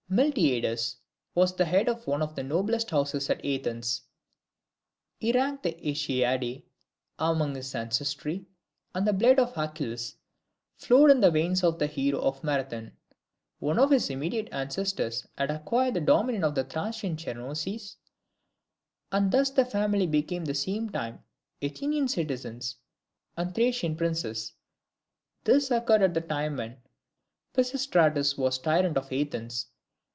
Miltiades was the head of one of the noblest houses at Athens: he ranked the AEacidae among his ancestry, and the blood of Achilles flowed in the veins of the hero of Marathon. One of his immediate ancestors had acquired the dominion of the Thracian Chersonese, and thus the family became at the same time Athenian citizens and Thracian princes. This occurred at the time when Pisistratus was tyrant of Athens.